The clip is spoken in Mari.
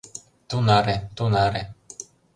Тунаре, тунаре